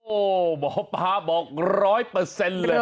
โอ้โหหมอปลาบอกร้อยเปอร์เซ็นต์เลย